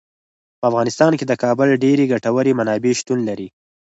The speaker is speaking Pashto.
په افغانستان کې د کابل ډیرې ګټورې منابع شتون لري.